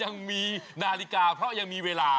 ยังมีนาฬิกาเพราะยังมีเวลา